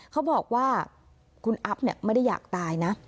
เขาบอกว่าคุณอัพไม่ได้อยากตายนะ